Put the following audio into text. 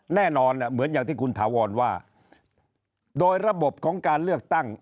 แน่นอนเหมือนอย่างที่คุณถาวรว่าโดยระบบของการเลือกตั้ง